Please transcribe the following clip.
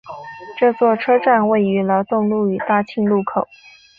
这座车站位于劳动路与大庆路口。